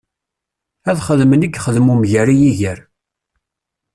Ad xedmen i yexdem umger i yiger.